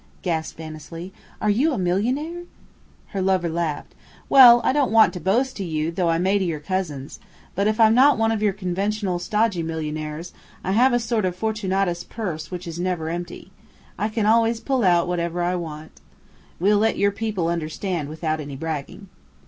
gasped Annesley. "Are you a millionaire?" Her lover laughed. "Well, I don't want to boast to you, though I may to your cousins, but if I'm not one of your conventional, stodgy millionaires, I have a sort of Fortunatus purse which is never empty. I can always pull out whatever I want. We'll let your people understand without any bragging.